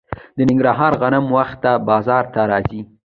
د ننګرهار غنم وختي بازار ته راځي.